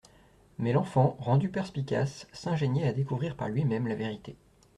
Mais l'enfant, rendu perspicace, s'ingéniait à découvrir par lui-même la vérité.